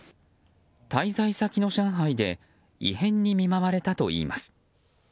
滞在先の上海で異変に見舞われたといいます。